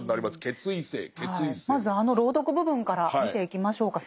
まずあの朗読部分から見ていきましょうか。